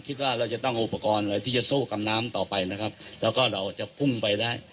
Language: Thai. คิดว่าเราจะต้องอุปกรณ์อะไรที่จะสู้กับน้ำต่อไปนะครับแล้วก็เราจะพุ่งไปได้